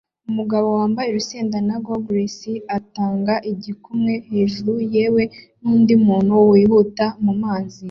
Umugabo wambaye urusenda na gogles atanga igikumwe hejuru yewe nundi muntu wihuta mumazi